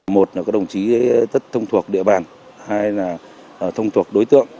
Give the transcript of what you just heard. một là các đồng chí rất thông thuộc địa bàn hai là thông thuộc đối tượng